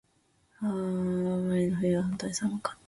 網走の冬は本当に寒かった。